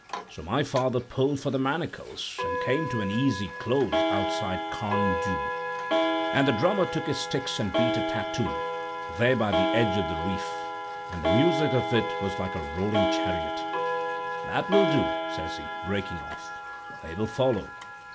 "So my father pulled for the Manacles, and came to an easy close outside Carn Du. And the drummer took his sticks and beat a tattoo, there by the edge of the reef; and the music of it was like a rolling chariot. "'That will do,' says he, breaking off; 'they will follow.